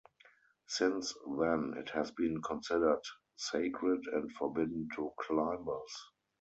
Since then, it has been considered sacred and forbidden to climbers.